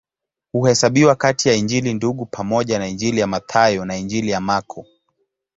Huhesabiwa kati ya Injili Ndugu pamoja na Injili ya Mathayo na Injili ya Marko.